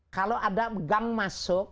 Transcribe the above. kalau ada gang masuk